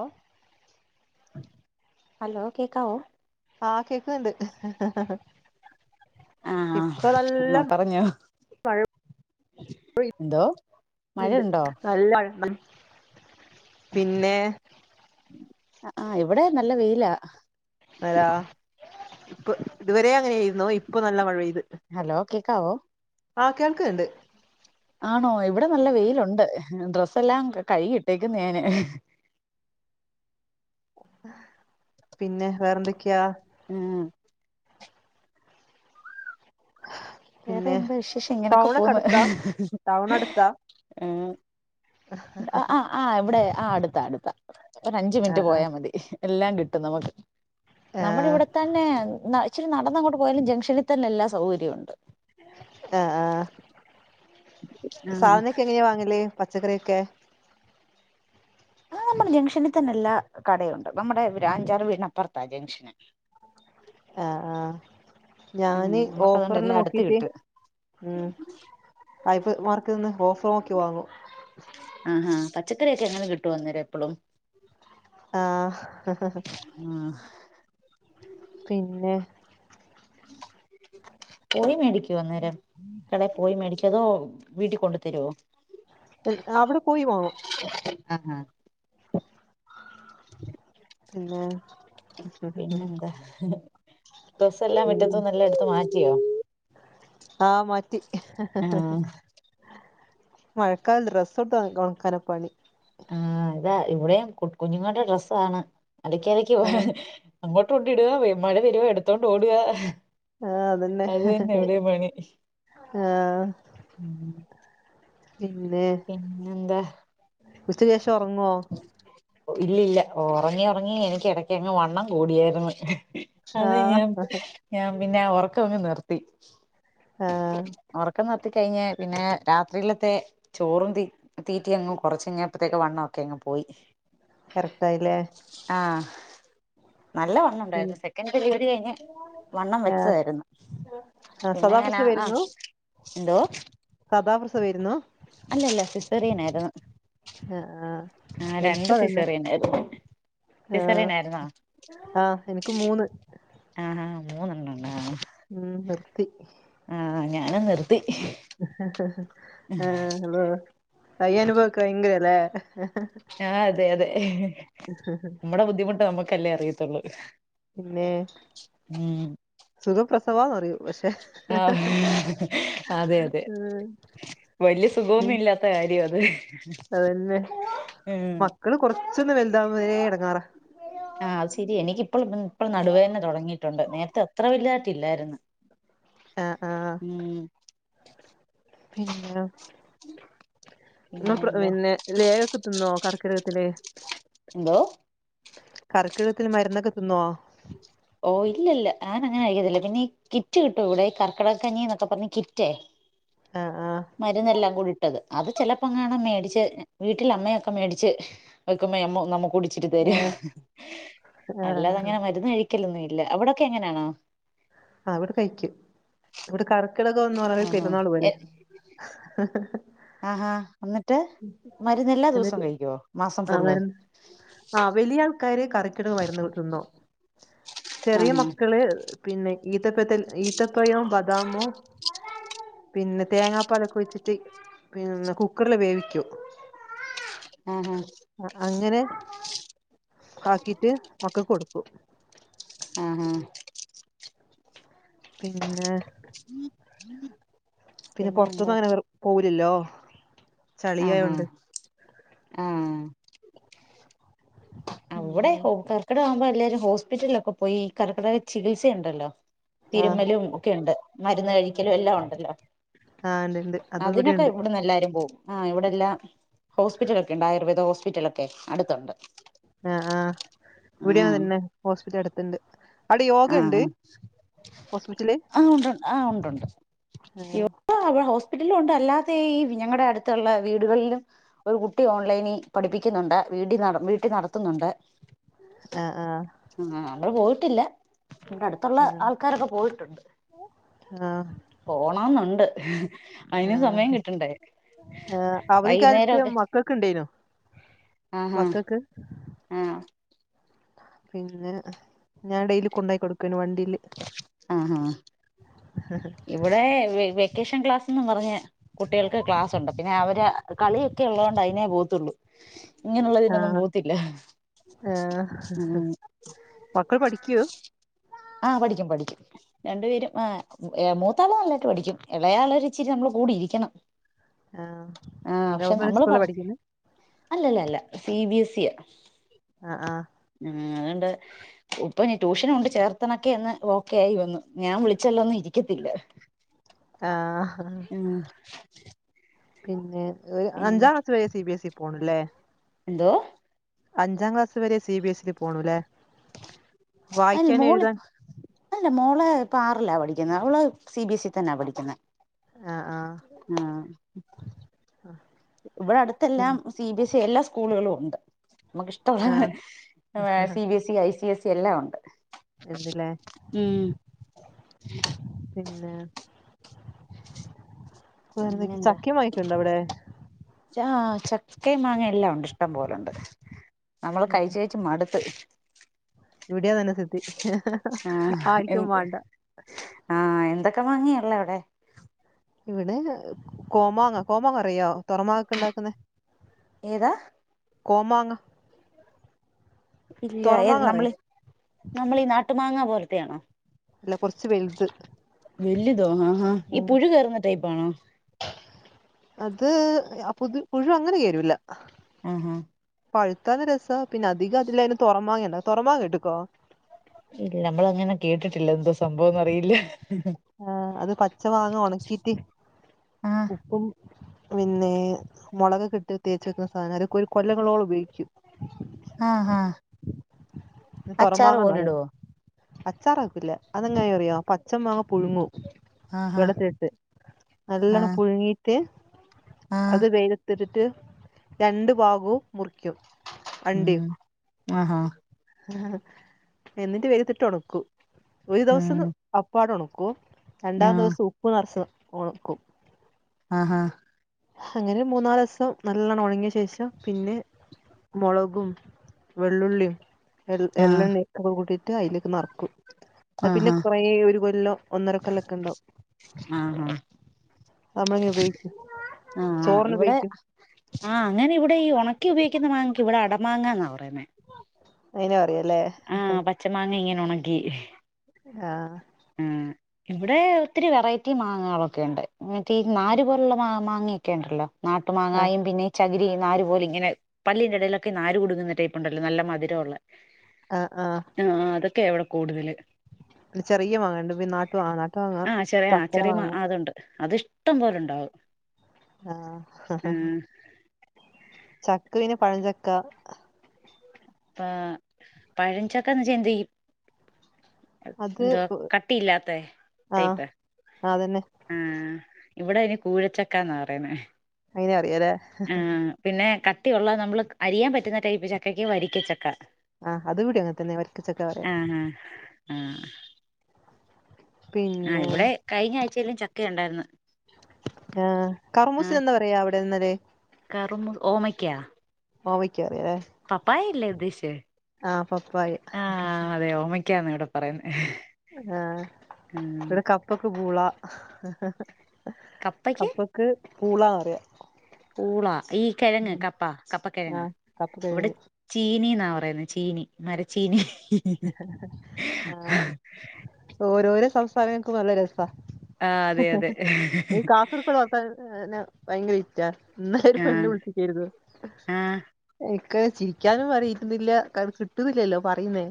ഓ hello കേക്കാവൊ. ആഹ് കേക്ക്ന്ന്ണ്ട്. ആഹ് ഇപ്പ നല്ല പറഞ്ഞോ മഴ [unintelligible] എന്തോ ണ്ട് മഴയുണ്ടോ നല്ല [unintelligible] പിന്നേ അ ആഹ് ഇവ്ടെ നല്ല വെയില അരാ ഇപ്പ ഇത് വരേ അങ്ങനൊയായിരുന്നു ഇപ്പൊ നല്ല മഴ പെയ്ത് ഹലോ കേക്കാവൊ ആഹ് കേൾക്ക്ണ്ട് ആണോ ഇവ്ടെ നല്ല വെയിലുണ്ട് ഡ്രസ്സെല്ലാം കൈകിട്ടേക്ക്ന്ന് ഞാന് പിന്നെ വേറെന്തെക്ക്യാ? ആഹ് പിന്നെ വേറെന്താ വിശേഷം ഇങ്ങനെയൊക്കെ ടൗണൊക്കെ പോവ്ന്ന്. അടുത്താ ടൗൺ അടുത്താ ആഹ് ആഹ് ഇവ്ടെ ആഹ് അടുത്ത അടുത്താ ഒരഞ്ച് മിൻറ്റ് ആഹ് ആഹ് പോയാ മതി എല്ലാം കിട്ടും നമുക്ക് ആഹ് നമ്മ്ടെവ്ടെ തന്നേ ഇച്ചിരി നടന്നങ്ങ്ട്ട് പോയാലും ജംഗ്ഷനിതന്നെ എല്ലാ സൗകര്യവുണ്ട് ആഹ് ആഹ് ആഹ് സാധനൊക്കെ എങ്ങനെയാ വാങ്ങല് പച്ചക്കറിയൊക്കേ? ആഹ് നമ്മ്ടെ ജംഗ്ഷനിതന്നെ എല്ലാ കടയുണ്ട് നമ്മ്ടെ അഞ്ചാറ് വീടിനപ്പറ്ത്താ ജംഗ്ഷന് ആഹ് ആഹ്. ഉം ഞാന് നമുക്ക് അതുകൊണ്ട് ഓഫറ് എല്ലാം അടുത്ത് നോക്കീട്ട് കിട്ടും ഉം അയ്പ് മാർക്ക്ന്ന് ഓഫറ് നോക്കി വാങ്ങും ആഹ് ഹാ പച്ചക്കറി ഒക്കെ അങ്ങനെ കിട്ടൊ അന്നേരം എപ്പളും ആഹ് ആഹ് പിന്നെ, പോയി മേടിക്കോ അന്നേരം കടയി പോയി മേടിക്കോ അതോ വീട്ടി കൊണ്ട് തരോ? അവ്ടെ പോയി വാങ്ങും ആഹാ പിന്നെ പിന്നെന്താഡ്രെസ്സെല്ലാം ഉം മിറ്റത്ത്ന് എല്ലാം എടുത്ത് മാറ്റിയോ ആഹ് മാറ്റി ആഹ് മഴക്കാലത്ത് ഡ്രസ്സ്‌ ഒക്കെ ഉണക്കാനാ പണി. ആഹ ഇതാ ഇവിടെയും കു കുഞ്ഞുങ്ങളുടെ ഡ്രസ്സാണ് അലക്ക അലക്ക് ആഹ് പോ- അങ്ങോട്ട് കൊണ്ട് ഇടുക. മഴ വരുവ എടുത്തോണ്ട് ഓടുക [unintelligible] ആഹ അതന്നെ അത് തന്നെ ഇവിടെയും പണി ആഹ [unintelligible] പിന്നെ പിന്നെന്താ ഉച്ചകേഷം ഉറങ്ങോ. ഒ ഇല്ല ഇല്ല. ഒറങ്ങി ഒറങ്ങി എനിക്ക് ഇടക്കങ്ങ് വണ്ണം കൂടിയായിരുന്നു. അതെ, ആഹ് ഞാൻ [unintelligible] ഞാൻ പിന്നെ ആ ഉറക്കമങ്ങ് നിർത്തി. ആഹ ഒറക്കം നിർത്തി കഴിഞ്ഞ് പിന്നെ രാത്രിയിലത്തെ ചോറും തീ തീറ്റി അങ്ങങ് കൊറച്ചങ്ങപ്പഴത്തേക്ക വണ്ണണം ഒക്കെ അങ്ങങ് പോയി. കറക്‌റ്റായി ലേ? ആഹ, നല്ല പിന്നെ ന്നുണ്ടായിരുന്നു. സെക്കൻഡ് പിരീഡില് ഇന്നെ വണ്ണം ആഹ് വെച്ചതായിരുന്നു. ആഹ് പിന്നെങ്ങനാ ആഹ സദാപ്രസവേരുന്നു എന്തോ സാതാ പ്രസവംയിരുന്നു. അല്ലല്ല സിസ്സറിയനായിരുന്നു അ ആ ആ രണ്ട് സിസറിയൻ ആയിരുന്നു സി സറിയന ആയിരുന്നോ ആഹ എനിക്ക് മൂന്ന്. ആ ആഹ മൂന്നെണ്ണം ഉണ്ട- ഉം നിർത്തി. ആഹ ഞാന നിർത്തി. [inaudible] ആ, അതെ അതെ. [unintelligible] മ്മടെ ബുദ്ധിമുട്ട് മ്മക്കല്ലേ അറിയത്തുള്ളൂ. പിന്നെ സുഖപ്രസവന്നറിയും അ [unintelligible] അതെ അതെ. ഉം വലിയ ഉം സുഖന്നും ല്ല കാര്യം അത് അതന്നെ ഉം മക്കള് കൊറച്ചൊന്ന് വലുതാ വരെേ ഇടങ്ങാറാ. ആഹ അത് ശരി എനിക്കിപ്പോൾ ഇപ്പോൾ നടുവേ തന്നെ തുടങ്ങിയിട്ടുണ്ട് നേരത്തെ അത്ര വലുതായിട്ട ഇല്ലായിരുന്നു. ആഹ് ആഹ് ഉം പിന്നെ പിന്നെ മ്മ [unintelligible] എന്താ പിന്നെ ലേഗൊക്കെ തിന്നോ? കർക്കിടകത്തില്. എന്തോ കർക്കിടകത്തില് മരുന്നൊക്കെ തിന്നോ? ഓ, ഇല്ല ല്ല. ഞാനങ്ങനെ കഴിക്കത്തില്ല. പിന്നെ ഈ കിറ്റ് കിട്ടു ഇവിടെ. ഈ കർക്കടകഞ്ഞി എന്നൊക്കെ പറഞ്ഞ് കിറ്റേ ആ അ. മരുന്നെല്ലാം കൂടി ഇട്ടത് അത് ചിലപ്പോങ്ങണൻ മേടിച്ച് വീട്ടിലമ്മയൊക്കെ മേടിച്ച് എക്കമ്മ നമ്മ കുടി ച്ചി തര അല്ലാതെ ആഹ് അങ്ങനെ മരുന്ന് കഴിക്കലൊന്നും ഇല്ല അവിടൊക്കെ എങ്ങനാണോ അ, ഇവിടെ കഴിക്കും. ഇവിടെ കറക്കിടകംന്ന് പറഞ്ഞ ആഹാ പെരുന്നാള് പോലെയാ [unintelligible] ആഹാ! എന്നിട്ട് മരുന്ന് എല്ലാ ദിവസം കഴിക്കുവോ? മാസം ഫുള്ള്. ആ വലിയ ആൾക്കാരെ കറിക്കിടമായിന്ന നിന്നോ. ചെറിയ ആഹാ മക്കള് പിന്നെ ഈത്തപ്പത്തെ ഈത്തപ്പയോ ബദാമോ പിന്നെ തേങ്ങാപ്പാലൊക്കെ ഒയ് ച്ചിട്ട് പിന്നെ കുക്കറില് വേവിക്കും ആഹ ഹഹ അ, അങ്ങനെ [inaudible] ആക്കിട്ട് മക്കൾക്ക് കൊടുക്കും. ആഹ് ഹഹ പിന്നെ ഉം ഉം പിന്നെ പുറത്തൊന്നും അങ്ങനെ പോവുലല്ലോ. ആഹ് ഹ ആഹ് അവിടെ ഹോക്കാർ കി ടാകുമ്പോ എല്ലാരും ഹോസ്പിറ്റലിൽ ഒക്കെ പോയി കർക്കിടക ചികിത്സ ഉണ്ടല്ലോ തിരുമമ ആഹ് ലും ഒക്കെ ഉണ്ട് മരുന്ന് കഴിക്കലും എല്ലാം ഉണ്ടല്ലോ ആഹ് ഇണ്ട് ഇണ്ട് അത് അതിനൊക്കെ ഇവിടെയുണ്ട് ഇവിടുന്ന് എല്ലാരും പോകു ആ ഇവിടെ എല്ലാം ഹോസ്പിറ്റലൊക്കെ ഉണ്ട് ആയുർവേദ ഹോസ്പിറ്റലൊക്കെ അടുത്തുണ്ട് ആ ആഹ് ഇവിടെ അത്‌ ആഹ് തന്നെ ഹോസ്പിറ്റൽ അടുത്തുണ്ട് അവിടെ യോഗ ഉണ്ട് ആഹ് ഹോസ്പിറ്റല് അഹ് ഉണ്ട് ആ ഉണ്ട് ആഹ് ണ്ട് ആ ടെ ഹോസ്പിറ്റലും ഉണ്ട് അല്ലാതെ ഈ ഞങ്ങളുടെ അടുത്തുള്ള വീടുകളിലും ഒരു കുട്ടി ഓൺലൈനി പഠിപ്പിക്കുന്നുണ്ട് വീട്ടി നട വീട്ടിൽ നടത്തുന്നുണ്ട് ആഹ് ആഹ് മ്മ് നമ്മള് പോയിട്ടില്ല ഇവിടെ അടുത്തുള്ള ആൾക്കാരൊക്കെ പോയിട്ടുണ്ട് ആഹ് പോണന്നുണ്ട് ആ അതിന് സമയം കിട്ടണ്ടേ ആ അവധിക്കാലത്ത് വൈകുന്നേരൊക്കെ മക്കൾ ക്ക് ണ്ടായിനോ ആഹാ മക്കക്ക് ആഹ് പിന്നെ ഞാൻ ഡെയിലി കൊണ്ടയി കൊടുക്കല് വണ്ടില് ആ ഹാ ഹ ഇവിടെ വെക്കേഷൻ ക്ലാസ്ന്ന് പറഞ്ഞ കുട്ടികൾക്ക് ക്ലാസുണ്ട് പിന്നെ അവര് കളിയൊക്കെ ഉള്ളോ ണ്ട് അതിനെ പോകത്തുള്ളു ഇങ്ങനുള്ളതിനൊന്നും ആഹ് പോത്തില്ല ആഹ് മക്കൾ പഠിക്കോ? ആഹ് പഠിക്കും പഠിക്കും രണ്ടു പേരും ആ മൂത്താൾ നന്നാ യിട്ട് പഠിക്കും ഇളയാൾ ഒരു ഇച്ചിരി നമ്മള് കൂടി ഇരിക്കണം ആഹ് ആഹ് പക്ഷെ ഗവൺമെന്റ് നമ്മള് സ്കൂളിലാ പറ പഠിക്കുന്നെ അല്ലല്ല ല്ല സി ബി എസ് സി യാ അ ആഹ് ഉമ് അതു ണ്ട് ഇപ്പൊ ഞാൻ ട്യൂഷന ണ്ട് ചേർ [unintelligible] ഒന്ന് ഓക്കെ ആയി വന്നു ഞാൻ വിളിച്ചല്ലൊന്നു ഇരിക്കത്തില്ല ആഹ ആ ഉം പിന്നെ അഞ്ചാം പിന്നെ ക്ലാസ് വരെ സി ബി എസ് ഇ പോണല്ലേ എന്തോ അഞ്ചാം ക്ലാസ് വരെ സി ബി എസ് സി ൽ പോണൂല്ലേ അല് വായിക്കാൻ എഴുതാൻ മോളിപ്പ അല്ല മോള് ഇപ്പോ ആറില പഠിക്കുന്നത് അവള് സി ബി എസ് ഇ തന്നാ പഠിക്കുന്നത് ആഹ് ആഹ ആഹ് ഇവിടെ അടുത്ത് എല്ലാം സി ബി എസ് ഇ എല്ലാ സ്കൂളുകളും ഉണ്ട് നമുക്ക് ആഹ് ഇഷ്ടമുള്ള C B S E I C S E എല്ലാം ഉണ്ട് എന്ത്‌ ലേ ഉം പിന്നെ വേർതെ ചകിം വാങിക്ണ്ടവിടെ? ചാ ചക്കേ മാങ്ങേ എല്ലാം ഉണ്ട് ഇഷ്ടം പോലുണ്ട്. നമ്മള് കഴിച്ച് കഴച്ച് മടുത്ത് ഇവിടെയും അത്‌ തന്നെ സ്ഥിതി ആരിക്കും വണ്ട ആഹ എന്തൊക്കെ മാങ്ങി യാല്ല അവിടെ ഇവിടെ കോമാങ്ങ കോമാങ്ങ അറിയോ തുറമാങ്ങായൊക്കെ ഉണ്ടാക്കുന്ന ഏതാ കോമാങ്ങ ഇല്ല ഏത് തൊറമാങ്ങ നമ്മൾ അറിയോ നമ്മളീ നാട്ടു മാങ്ങ പോലത്തെയ ആണോ അല്ല കുറച്ച് വലുത് വലുതോ ആഹ ഹ ഈ ഉം പുഴു കയറുന്ന ടൈപ്പാണോ അത് പുതു പുഴു അങ്ങനെ കേറില്ല ആഹ ആഹ പഴുത്താല് രസാ പിന്നെ അതികതിലെന് തൊറമാങ്ങല്ലേ തൊറമാ കേട്ട്കോ ഇല്ല നമ്മളങ്ങനെ കേട്ടിട്ടില്ല എന്തോ സംഭവംന്നറിയില്ല ആഹ് അത് പച്ചമാങ്ങ ഉണക്കിട്ട് ആഹ് ഉപ്പും പിന്നെ മുളകൊക്കെട്ട് തേച് വെകുന്നസാനാ കൊല്ലങ്ങളോളം ഉപയോഗിക്കും ആഹ് ആഹ് അച്ചാറ് തൊറമാങ്ങന്നറിം പോലിടുവോ അച്ചാറാകൂല അതെങ്ങനാറിയോ പച്ചമാങ്ങ പുഴുങ്ങും ആഹാ വെള്ളത്തിട്ട് നല്ലോണം ആഹ് പുഴുങ്ങിട്ട് ആഹ് അത് വെയിലെ തിട്ടിട്ട് രണ്ട് ഭാഗവും മുറിക്കും അണ്ടിയും ഉം ആഹ് എന്നിട്ട് വെയിലത്തിട്ട് ഒണക്കും ഒരു ദിവസം ഉം അപ്പാട് ഉണക്കും രണ്ടാം ആഹ് ദിവ്സം ഉപ്പ് നറച്ച് ഒണക്കും ആഹാ അങ്ങനെ ഒരു മൂന്നാല്സം നല്ലണം ഒണങ്ങിയ ശേഷം പിന്നെ മുളകും വെള്ളുള്ളിം ആഹ് എള്ളെണ്ണക്കെ കൂട്ടിട്ട് അയിലേക്ക് നറക്കും അത് പിന്നെ ആഹാ കൊറേ ഒരു കൊല്ലം ഒന്നര കൊല്ലൊക്കെണ്ടാവും ആഹ് നമ്മളിങ്ങനെ ഉപയോഗിക്കും ആഹ് ആഹ് ചോറിന് ഇവിടെ ഉപയോഗിക്കും ആഹാ അങ്ങനെ ഇവിടെ ഈ ഉണക്കി ഉപയോഗിക്കുന്ന മാങ്ങയ്ക്ക് ഇവിടെ അടമാങ്ങാന്നാ പറയുന്നേ അയിനാ പറയല്ലേ പച്ച മാങ്ങ ഇങ്ങനെ ഒണക്കി. ആഹ് ഇവിടെ ഒത്തിരി വെറൈറ്റി മാങ്ങളൊക്കെ ഉണ്ട്. മറ്റെ ഈ നാരു പോലെയുള്ള മാ മാങ്ങയൊക്കെ ഉണ്ടല്ലോ? നാട്ടു ആഹ് മാങ്ങായും പിന്നെ ചകിരി നാരു പോലെ ഇങ്ങനെ, പല്ലിന്റെ ഇടയിലൊക്കെ നാര് കുടുങ്ങുന്ന ടൈപ്പ് ഉണ്ടല്ലോ നല്ല മധുരുള്ള ആഹആഹാ ആ അതൊക്കെ ഇവിടെ കൂടുതല് ചെറിയ മാങ്ങണ്ട് പി നാട്ടുമാങ്ങാ ആ ചെറിയ ചെറിയ മാ അതുണ്ട് അത് ഇഷ്ടം പോലെണ്ടാവും ആഹാ ഹ് ഹ് ചക്ക വിനെ പഴംചക്ക ആ പഴഞ്ചക്കന്ന് വെച്ചാ എന്ത് ചെയ്യും അത് എന്തോ കട്ടിയില്ലാത്ത ആഹ് ടൈപ് അതന്നെ ആഹ് ഇവിടെ അതിന് കൂഴച്ചക്കാന്നാ പറയ്ണ അയിനെ അറിയാലെ പിന്നെ കട്ടി ഉള്ള നമ്മള് അരിയാൻ പറ്റുന്ന ടൈപ്പ് ചക്കക്ക് വരിക്ക ചക്ക ആഹ് അതിവിടിം അങ്ങെൻ തന്നെ വരിക്കച്ചക്കാ പറയാ ആഹേ ആഹ് ആ പിന്നെ ഇവിടെ കഴിഞ്ഞ ആഴ്ചെയിലും ചക്ക ഉണ്ടായിര്ന്നു ആഹ് കർമൂസ എന്നാ പറയാ അവിടെ ഇന്നല് കറുമ ഓമയ്ക്കാ മാമ്മയ്ക്കറിയാ ല്ലേ പപ്പായല്ലേ ഉദ്ദേശിച്ചേ പപ്പായ ആഹ് അതെ ഓമക്കാന്ന ഇവിടെ പറയന്നേ ആഹ് ഇവിടെ കപ്പക്ക് പൂള ഹാ ഹേ ഹേ കപ്പയ്ക്ക് കപ്പക് ക്ക് പൂളാറിയാ പൂളാ ഈ കിഴങ്ങ് കപ്പ കപ്പ കിഴങ്ങാ ആഹ് കപ്പ ഇവിടെ കിഴങ്ങിന് ചീനിന്നാ പറയുന്നത് ചീനി മരച്ചീനി ആഹ് ഓരോരോ സംസാരം കേകുംബം നല്ല രസാ ആഹ് അതെ അതെ ഈ കാസർഗോഡ ഇപ്പയ്ത്ത കാലം ഭയങ്കര വിറ്റാ ഇന്നലെ ഒരു പെണ്ണ് ആഹ് വിളിചികിര്ന്നു ആഹ് എക്ക് ചിരിക്കാനും പറയിരുന്നില്ല ക കിട്ടുന്നില്ലല്ലോ പറയുന്നേ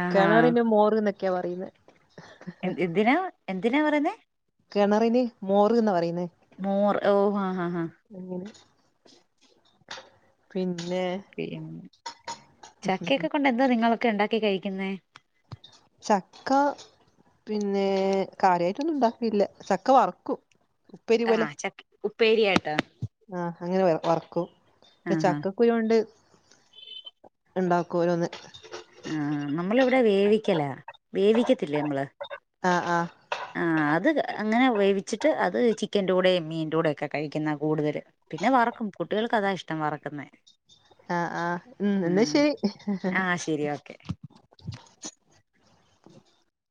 ആഹാ കെണറിന് മോറ്ന്നെക്കെ പറയുന്നെ എ [unintelligible] എന്തിനാ എന്തിനാ പറയുന്നേ? കിണറിനി മോറന്ന് പറയുന്നേ മൂർ ഓഹാ ആഹ് ആഹ് അങ്ങനെ. പിന്നെ. പി [unintelligible] ചക്കയൊക്കെ കൊണ്ട് എന്താ നിങ്ങളൊക്കെ ണ്ടാക്കി കഴിക്കുന്നേ? ചക്ക പിന്നെ കാര്യയായിട്ടൊന്നുണ്ടാക്കില്ല ചക്ക വർക്കു ആഴ ചക്കി ഉപ്പേരിയായിട്ട ആഹ് അങ്ങനെ വർക്കും ആ ആ ഇപ്പോ കുരുകൊണ്ട് ഉണ്ടാക്കു ഓരോന്ന്. ആ, നമ്മളിവിടെ വേവിക്കലാ. വേവിക്കത്തില്ലേ നമ്മള്. അ, ആഹ ആ. അത് അങ്ങനെ വേവിച്ചിട്ട് അത് ചിക്കൻന്റെ കൂടെയും മീൻന്റെ കൂടെയും ഒക്കെ കഴിക്കുന്ന കൂടുതല്. പിന്നെ വറക്കും. കുട്ടികൾക്ക് അതാ ഇഷ്ടം വറക്കുന്നേ. ആഹ്, ആഹ്, ഉം എന്നാ ശരി. ഹ ഹ ഹ ഹാ രി ഓക്കെ.